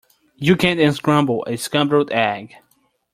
You can't unscramble a scrambled egg.